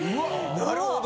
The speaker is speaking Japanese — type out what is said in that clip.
なるほど！